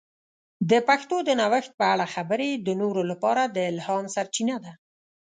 د پښتو د نوښت په اړه خبرې د نورو لپاره د الهام سرچینه ده.